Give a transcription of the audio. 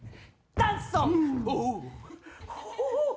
ダンソン！